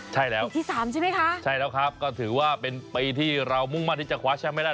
ใช่แล้วใช่แล้วครับก็ถือว่าเป็นปีที่เรามุ่งมากที่จะคว้าแชมป์ให้ได้